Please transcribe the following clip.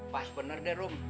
pas bener deh rom